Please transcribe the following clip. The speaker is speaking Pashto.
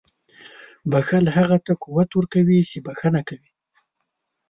• بښل هغه ته قوت ورکوي چې بښنه کوي.